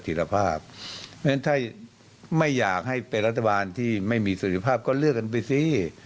เพราะฉะนั้นถ้าไม่อยากให้เป็นรัฐบาลที่ไม่มีเสร็จภาพก็เลือกกันไปสิ